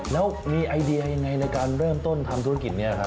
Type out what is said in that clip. แล้วมีไอเดียยังไงในการเริ่มต้นทำธุรกิจนี้ครับ